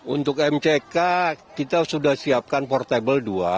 untuk mck kita sudah siapkan portable dua